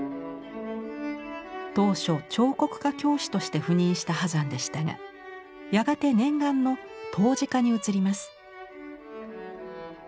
当初彫刻科教師として赴任した波山でしたがやがて念願の陶磁科に移ります。